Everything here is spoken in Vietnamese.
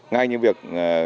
ngay như việc